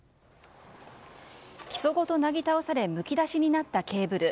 基礎ごとなぎ倒されむき出しになったケーブル。